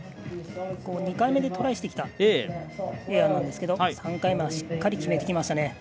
２回目でトライしてきたエアなんですが、３回目はしっかり決めてきましたね。